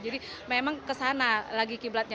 jadi memang ke sana lagi kiblatnya